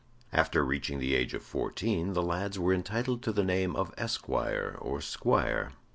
After reaching the age of fourteen the lads were entitled to the name of esquire or squire.